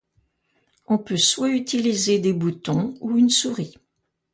On peut soit utiliser des boutons ou une souris.